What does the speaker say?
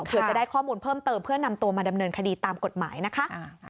เผื่อจะได้ข้อมูลเพิ่มเติมเพื่อนำตัวมาดำเนินคดีตามกฎหมายนะคะ